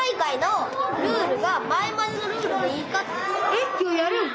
えっ今日やるの？